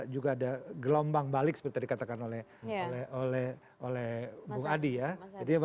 juga ada gelombang balik seperti tadi katakan oleh bung adi ya